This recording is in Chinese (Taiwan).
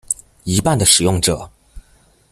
一半的使用者